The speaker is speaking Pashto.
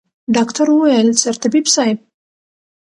ډاکتر وويل سرطبيب صايب.